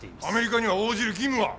アメリカには応じる義務は？